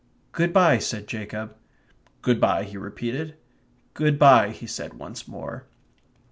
"Good bye," said Jacob. "Good bye," he repeated. "Good bye," he said once more.